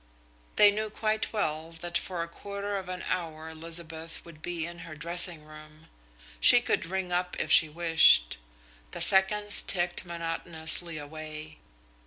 They knew quite well that for a quarter of an hour Elizabeth would be in her dressing room. She could ring up if she wished. The seconds ticked monotonously away.